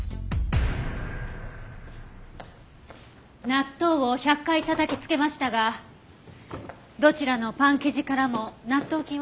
納豆を１００回たたきつけましたがどちらのパン生地からも納豆菌は出ませんでした。